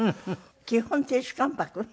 基本亭主関白？